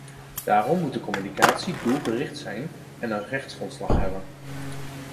Daarom moet de communicatie doelgericht zijn en een rechtsgrondslag hebben.